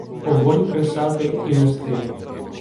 Огонь кресати і нести